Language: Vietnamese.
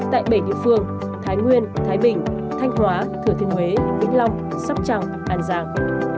tại bảy địa phương thái nguyên thái bình thanh hóa thừa thiên huế vĩnh long sóc trăng an giang